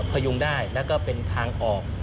พยุงได้แล้วก็เป็นทางออก